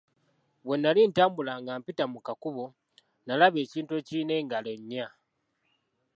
Bwe nnali ntambula nga mpita mu kakubo, nnalaba ekintu ekirina engalo nnya.